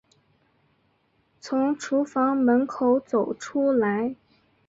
从厨房门口走出来